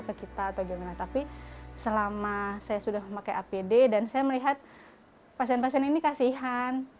ke kita atau gimana tapi selama saya sudah pakai apd dan saya melihat pasien pasien ini kasihan